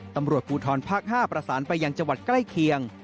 ตำรวจภูทรภาค๕ประสานไปยังจังหวัดใกล้เคียง